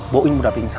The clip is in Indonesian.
boeing udah pingsan